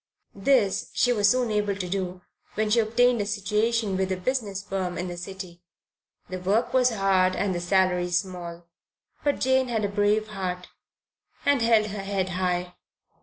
This she was soon able to do when she obtained a situation with a business firm in the city. The work was hard and the salary small; but Jane had a brave heart and held her head high.